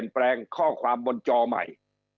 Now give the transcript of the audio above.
แปลงข้อความบนจอใหม่